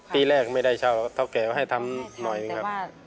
ปีแรกไม่ได้เช่าเท่าแก่ก็ให้ทำหน่อยครับ